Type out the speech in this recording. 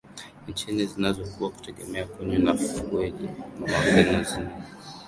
nchi nyingi zinazokua kutegemea kuni na fueli mangozinginezo